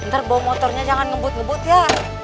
ntar bawa motornya jangan ngebut ngebut ya